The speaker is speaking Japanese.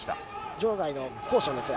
場外のコーションですね。